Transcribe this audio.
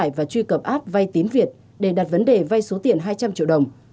một người phụ nữ chủ huyện mộ đức đã truy cập app vay tiếng việt để đặt vấn đề vay số tiền hai trăm linh triệu đồng